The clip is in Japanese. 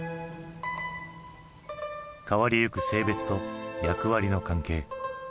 変わりゆく性別と役割の関係。